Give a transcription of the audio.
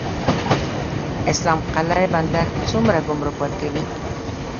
اسلام قلعه بندر څومره ګمرک ورکوي؟